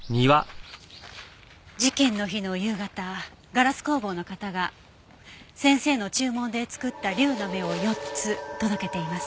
事件の日の夕方ガラス工房の方が先生の注文で作った龍の目を４つ届けています。